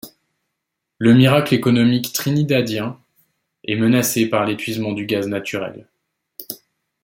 Le miracle économique trinidadien est menacé par l'épuisement du gaz naturel.